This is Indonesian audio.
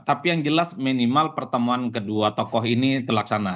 tapi yang jelas minimal pertemuan kedua tokoh ini terlaksana